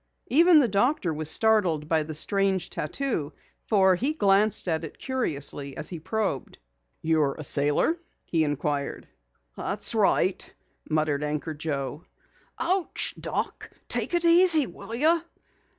Even the doctor was startled by the strange tattoo for he glanced at it curiously as he probed. "You are a sailor?" he inquired. "That's right," muttered Anchor Joe. "Ouch, doc! Take it easy, will you?"